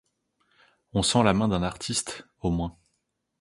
On sent la main d'un artiste, au moins.